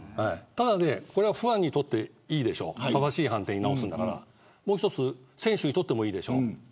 でも、これはファンにとっていいでしょ、正しい判定だからもう一つ、選手にとってもいいでしょ。